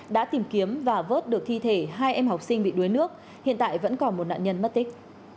đã tìm kiếm và vớt được thi thể hai em học sinh bị đuối nước hiện tại vẫn còn một nạn nhân mất tích